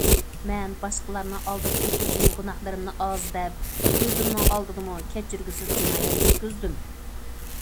مەن باشقىلارنىڭ ئالدىدا ئۆتكۈزگەن گۇناھلىرىمنى ئاز دەپ ئۆزۈمنىڭ ئالدىدىمۇ كەچۈرگۈسىز جىنايەت ئۆتكۈزدۈم.